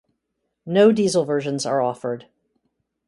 No diesel versions are offered.